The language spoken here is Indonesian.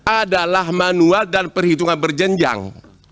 adalah manual dan perhitungan berjenjang